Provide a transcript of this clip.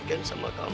aku kangen sama kamu